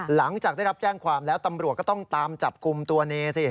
หลังจากได้รับแจ้งความแล้วตำรวจก็ต้องตามจับกลุ่มตัวเนสิ